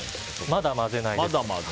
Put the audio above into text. まだ混ぜないです。